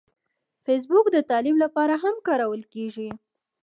فېسبوک د تعلیم لپاره هم کارول کېږي